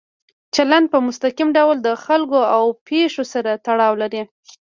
چلند په مستقیم ډول د خلکو او پېښو سره تړاو لري.